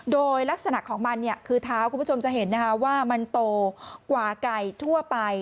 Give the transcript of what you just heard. โดยลักษณะของมันคือเท้าคุณผู้ชมจะเห็นว่ามันโตกว่าไก่ทั่วไป